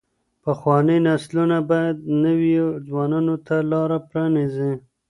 پخواني نسلونه بايد نويو ځوانانو ته لاره پرانيزي.